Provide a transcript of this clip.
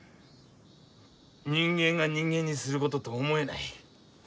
人間が人間にすることと思えない。